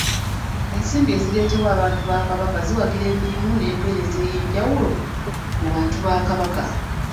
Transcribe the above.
Ensimbi ezireetebwa abantu ba Kabaka ziwagira emirimu n'empeereza ey'enjawulo mu bantu ba Kabaka.